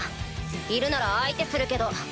いるなら相手するけど。